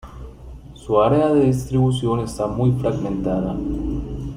Su área de distribución está muy fragmentada.